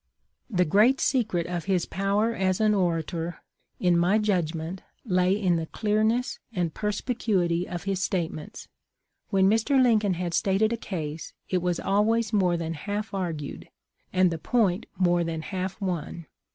" The great secret of his power as an orator, in my judgment, lay in the clearness and perspicuity of his statements. When Mr. Lincoln had stated a case it was always more than half argued and the point more than half won.